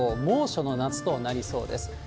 猛暑の夏となりそうです。